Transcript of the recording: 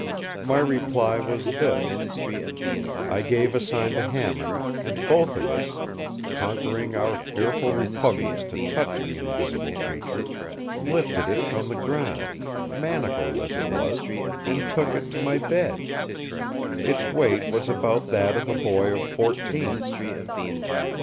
My reply was this. I gave a sign to Hammond, and both of us—conquering our fearful repugnance to touch the invisible creature—lifted it from the ground, manacled as it was, and took it to my bed. Its weight was about that of a boy of fourteen.